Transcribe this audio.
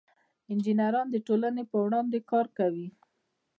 انجینران د ټولنې په وړاندې کار کوي.